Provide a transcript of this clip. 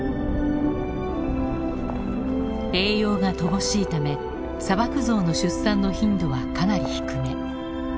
栄養が乏しいため砂漠ゾウの出産の頻度はかなり低め。